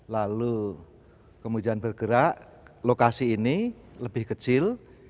lalu kemudian bergerak lokasi ini lebih kecil